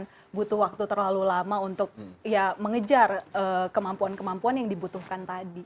saya kira tidak akan butuh waktu terlalu lama untuk ya mengejar kemampuan kemampuan yang dibutuhkan tadi